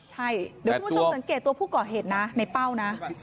ใช่เดี๋ยวคุณผู้ชมสังเกตตัวผู้ก่อเหตุนะในเป้านะ